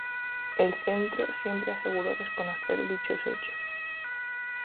El centro siempre aseguró desconocer dichos hechos.